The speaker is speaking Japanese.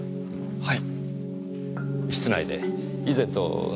はい。